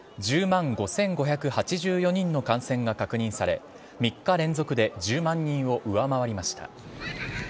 きのう全国では、１０万５５８４人の感染が確認され、３日連続で１０万人を上回りました。